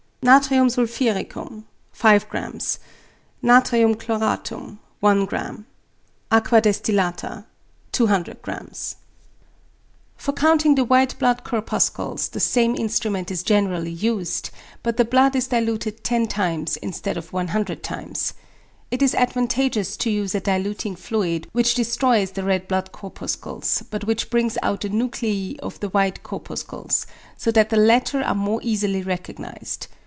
5 Natr. sulph. 5.0 Natr. chlor. 1.0 Aquæ destillat. 200.0 For counting the white blood corpuscles the same instrument is generally used, but the blood is diluted 10 times instead of 100 times. It is advantageous to use a diluting fluid which destroys the red blood corpuscles, but which brings out the nuclei of the white corpuscles, so that the latter are more easily recognised.